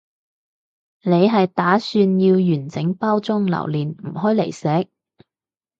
你係打算要完整包裝留念唔開嚟食？